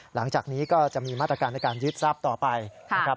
หลังจากนี้ก็จะมีมาตรการในการยึดทรัพย์ต่อไปนะครับ